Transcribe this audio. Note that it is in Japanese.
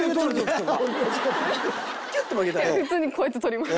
普通にこうやって取ります。